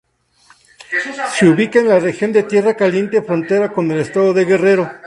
Se ubica en la región de Tierra Caliente frontera con el estado de Guerrero.